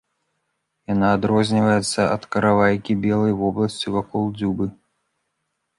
Яна адрозніваецца ад каравайкі белай вобласцю вакол дзюбы.